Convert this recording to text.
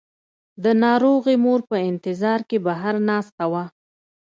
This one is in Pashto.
د ناروغې مور په انتظار کې بهر ناسته وه.